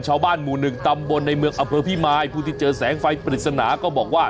ชาวบ้านหมู่หนึ่งตำบลในเมืองอำเภอพิมายผู้ที่เจอแสงไฟปริศนาก็บอกว่า